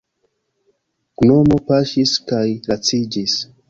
Gnomo paŝis kaj laciĝis.